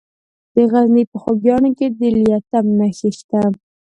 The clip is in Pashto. د غزني په خوږیاڼو کې د لیتیم نښې شته.